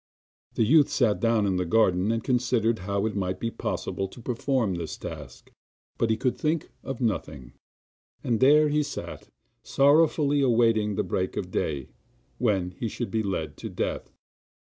The youth sat down in the garden and considered how it might be possible to perform this task, but he could think of nothing, and there he sat sorrowfully awaiting the break of day, when he should be led to death.